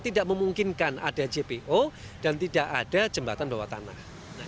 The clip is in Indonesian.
tidak memungkinkan ada jpo dan tidak ada jembatan bawah tanah